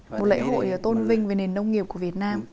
một lễ hội tôn vinh về nền nông nghiệp của việt nam